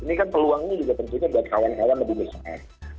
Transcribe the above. ini kan peluangnya juga tentunya buat kawan kawan lebih besar